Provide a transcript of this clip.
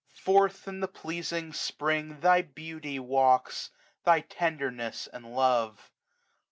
Forth i;i the pleasing Spring Thy beauty walks, thy tenderness and love.